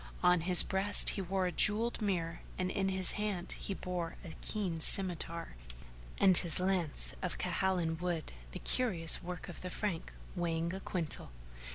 On his breast he wore a jewelled mirror and in his hand he bore a keen scymitar and his lance of Khalanj wood,[FN#446] the curious work of the Frank, weighing a quintal.